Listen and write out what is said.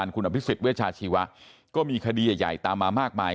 ก็มีคดีใหญ่ตามมามากมาย